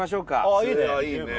あいいね